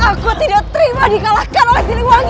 aku tidak terima di kalahkan oleh tiliwangi